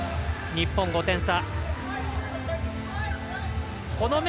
日本５点差。